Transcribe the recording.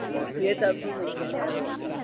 یہ تب ہی ممکن ہے۔